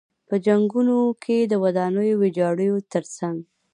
په جنګونو کې د ودانیو ویجاړیو تر څنګ.